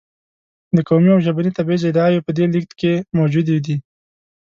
د قومي او ژبني تبعیض ادعاوې په دې لېږد کې موجودې دي.